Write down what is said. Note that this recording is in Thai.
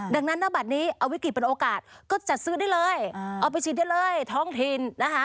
ดังนั้นณบัตรนี้เอาวิกฤตเป็นโอกาสก็จัดซื้อได้เลยเอาไปฉีดได้เลยท้องถิ่นนะคะ